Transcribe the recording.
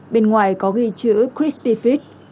bên ngoài có ghi chữ crispy fit